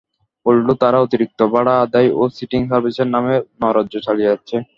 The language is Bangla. উল্টো তারা অতিরিক্ত ভাড়া আদায় ও সিটিং সার্ভিসের নামে নৈরাজ্য চালিয়ে যাচ্ছে।